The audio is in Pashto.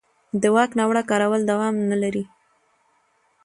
د واک ناوړه کارول دوام نه لري